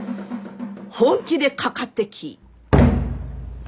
本気でかかってき。